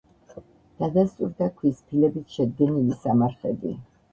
დადასტურდა ქვის ფილებით შედგენილი სამარხები.